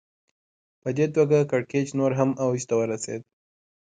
په دې توګه کړکېچ نور هم اوج ته ورسېد